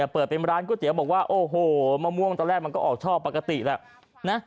เปิดเป็นร้านก๋วยเตี๋ยวบอกว่าโอ้โหมะม่วงตอนแรกมันก็ออกช่อปกติแหละนะ